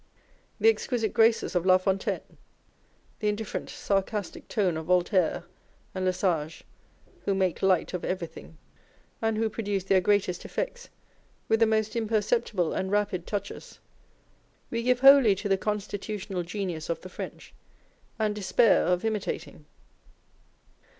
The exquisite graces of La Fontaine, the indifferent sarcastic tone of Voltaire and Le Sage, who make light of everything, and wrho produce their greatest effects with the most imperceptible and rapid touches, we give wholly to the constitutional genius of the French, and despair of imitating.